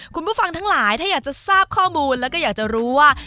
คุณผู้ฟังทั้งหลายถ้าอยากจะทราบข้อมูลแล้วก็อยากจะรู้ว่า